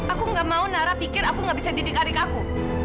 aku enggak mau nara pikir aku enggak bisa dididik adik aku